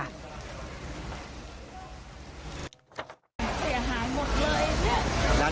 ค่ะท่าน